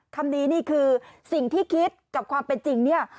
คำนี้นี่คือสิ่งที่คิดกับความเป็นจริงเนี่ย